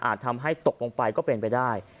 ทำให้ตกลงไปก็เป็นไปได้